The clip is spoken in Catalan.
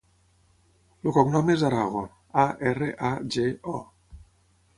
El cognom és Arago: a, erra, a, ge, o.